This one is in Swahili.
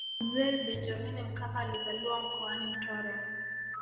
mzee benjamini mkapa alizaliwa mkoani mtwara